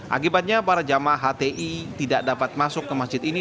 akibatnya para jamaah hti tidak dapat masuk ke masjid ini